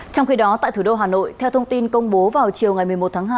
trong khi đó tại thủ đô hà nội theo thông tin công bố vào chiều ngày một mươi một tháng hai